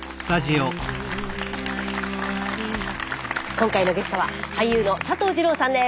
今回のゲストは俳優の佐藤二朗さんです。